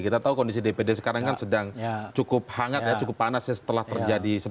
kita tahu kondisi dpr sekarang kan sedang cukup hangat cukup panas setelah terjadi